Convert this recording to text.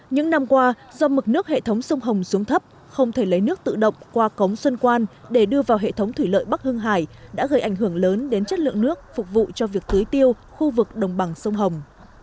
những năm qua do mực nước hệ thống sông hồng xuống thấp không thể lấy nước tự động qua cống xuân quan để đưa vào hệ thống thủy lợi bắc hưng hải đã gây ảnh hưởng lớn đến chất lượng nước phục vụ cho việc tưới tiêu khu vực đồng bằng sông hồng